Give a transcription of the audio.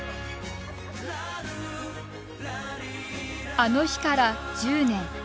あの日から１０年。